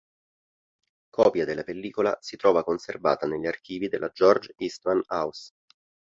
Copia della pellicola si trova conservata negli archivi della George Eastman House.